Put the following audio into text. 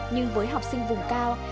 nhưng với học sinh vùng cao